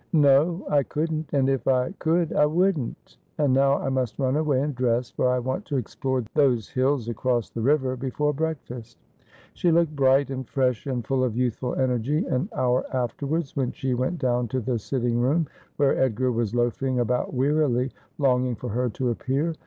'Xo, I couldn't. And if I could I wouldn't. And now I must run away and dress, for I want to explore those hills across the river before breakfast.' She looked bright and fresh and full of youthful energy an hour afterwards, when she went down to the sitting room, where Edgar was loafing about wearily, longing for her to appear.